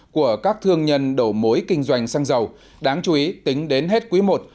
của các thương nhân đầu mối kinh doanh xăng dầu đáng chú ý tính đến hết quý i